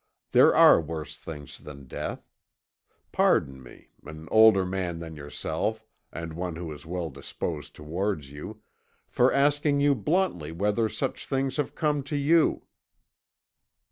There are worse things than death. Pardon me an older man than yourself, and one who is well disposed towards you for asking you bluntly whether such things have come to you?"